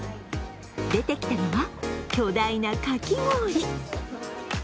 出てきたのは巨大なかき氷。